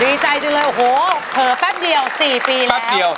ดีใจจังเลยโอ้โหเผลอแป๊บเดียว๔ปีแล้ว